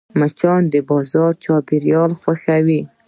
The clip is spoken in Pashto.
مچان د بازار چاپېریال خوښوي